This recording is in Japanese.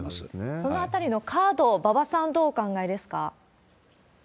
そのあたりのカード、馬場さん、どうお考えですか？